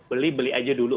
beli beli aja dulu